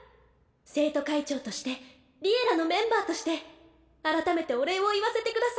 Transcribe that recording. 生徒会長として「Ｌｉｅｌｌａ！」のメンバーとして改めてお礼を言わせて下さい。